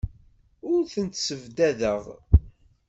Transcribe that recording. Ur tent-ssebdadeɣ.